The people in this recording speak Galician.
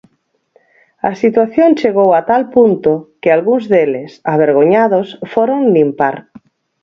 A situación chegou a tal punto que algúns deles, avergoñados, foron limpar.